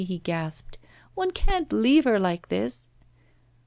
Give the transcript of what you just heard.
he gasped. 'One can't leave her like this.